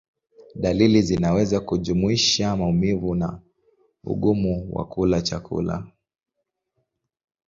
Dalili zinaweza kujumuisha maumivu na ugumu wa kula chakula.